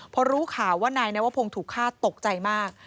พอรู้ข่าวว่านายนวพงศ์ถูกฆ่าตกใจมาก